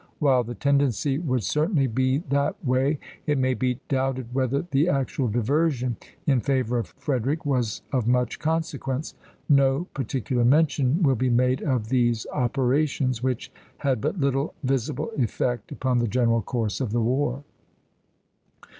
While the tendency would certainly be that way, it may be doubted whether the actual diversion in favor of Frederick was of much consequence. No particular mention will be made of these operations, which had but little visible effect upon the general course of the war.